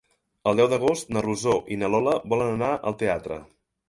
El deu d'agost na Rosó i na Lola volen anar al teatre.